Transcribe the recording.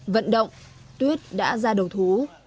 vận động tuyết đã ra đầu thú